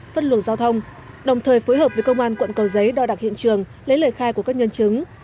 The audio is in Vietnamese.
vất lượng giao thông đồng thời phối hợp với công an quận cầu giấy đòi đặt hiện trường lấy lời khai của các nhân chứng